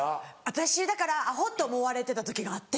私だからアホって思われてた時があって。